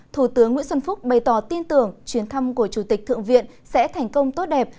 thủ tướng nguyễn xuân phúc bày tỏ tin tưởng chuyến thăm của chủ tịch thượng viện sẽ thành công tốt đẹp